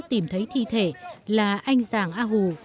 tìm thấy thi thể là anh giàng a hù